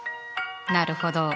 なるほど。